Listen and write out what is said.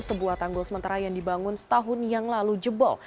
sebuah tanggul sementara yang dibangun setahun yang lalu jebol